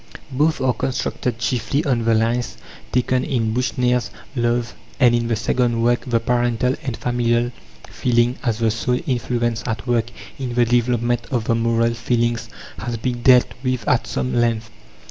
Both are constructed chiefly on the lines taken in Buchner's Love, and in the second work the parental and familial feeling as the sole influence at work in the development of the moral feelings has been dealt with at some length.